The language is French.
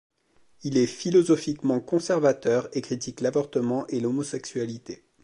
Il est philosophiquement conservateur et critique l'avortement et l'homosexualité.